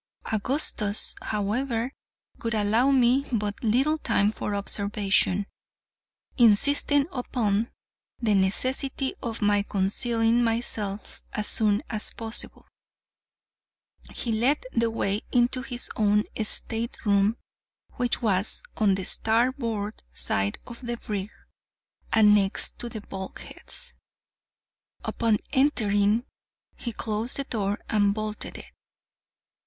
Augustus, however, would allow me but little time for observation, insisting upon the necessity of my concealing myself as soon as possible. He led the way into his own stateroom, which was on the starboard side of the brig, and next to the bulkheads. Upon entering, he closed the door and bolted it.